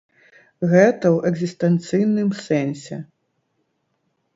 Гэта ў экзістэнцыйным сэнсе.